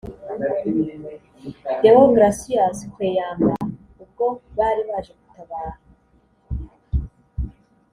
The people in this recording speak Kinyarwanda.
Deogratius Kweyamba ubwo bari baje gutabara